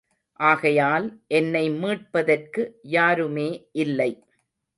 ஆகையால், என்னை மீட்பதற்கு யாருமே இல்லை.